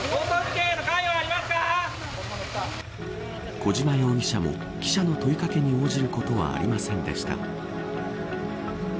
小島容疑者も記者の問い掛けに応じることはありませんでした。